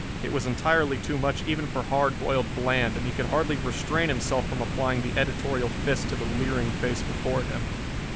It was entirely too much even for Hard Boiled Bland, and he could hardly restrain himself from applying the editorial fist to the leering face before him.